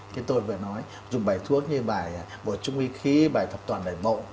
cái tôi vừa nói dùng bài thuốc như bài bổ trung y khí bài thập toàn bài bộ